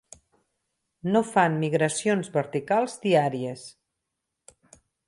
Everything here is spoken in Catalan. No fan migracions verticals diàries.